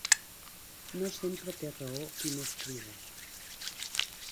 No sempre té raó qui més crida.